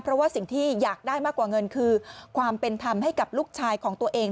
เพราะว่าสิ่งที่อยากได้มากกว่าเงินคือความเป็นธรรมให้กับลูกชายของตัวเอง